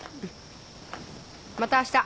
またあした。